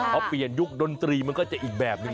พอเปลี่ยนยุคดนตรีมันก็จะอีกแบบหนึ่ง